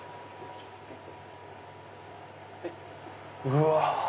うわ！